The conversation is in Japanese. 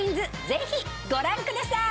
ぜひご覧くださーい！